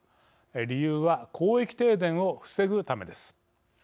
理由は、広域停電を防ぐためです。